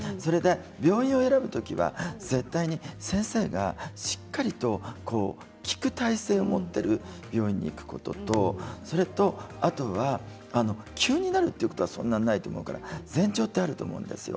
病院を選ぶ時は絶対に先生がしっかりと聞く体勢を持っている病院に行くことと急になるってことはそんなにないと思うから前兆があると思うんですよ